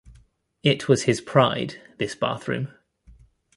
It was his pride, this bathroom.